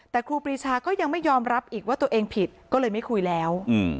แต่ครูปรีชาก็ยังไม่ยอมรับอีกว่าตัวเองผิดก็เลยไม่คุยแล้ว